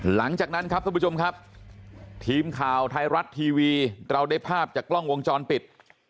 หลังจากนั้นครับท่านผู้ชมครับทีมข่าวไทยรัฐทีวีเราได้ภาพจากกล้องวงจรปิด